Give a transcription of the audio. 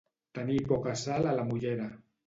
Tenir poca sal a la mollera.